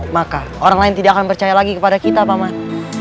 maka orang lain tidak akan percaya lagi kepada kita paman